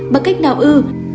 bằng cách nào ư